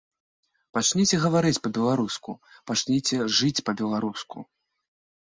Пачніце гаварыць па-беларуску, пачніце жыць па-беларуску.